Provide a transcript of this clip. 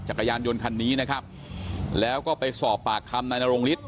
จักรยานยนต์คันนี้นะครับแล้วก็ไปสอบปากคำนายนรงฤทธ